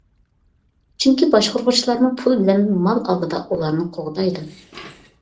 چۈنكى باشقۇرغۇچىلارمۇ پۇل بىلەن مال ئالدىدا ئۇلارنى قوغدايدۇ.